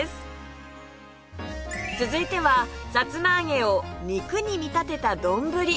続いてはさつまあげを肉に見立てたどんぶり